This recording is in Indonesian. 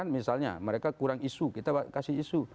misalnya mereka kurang isu kita kasih isu